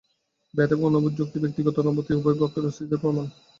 বেদ এবং অনুভূত যুক্তি বা ব্যক্তিগত অনুভূতি উভয়ই ব্রহ্মের অস্তিত্বের প্রমাণ।